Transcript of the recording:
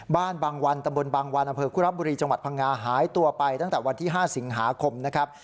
บางวันตำบลบางวันอำเภอคุระบุรีจังหวัดพังงาหายตัวไปตั้งแต่วันที่๕สิงหาคมนะครับ